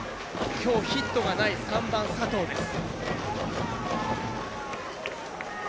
きょうヒットがない３番、佐藤です。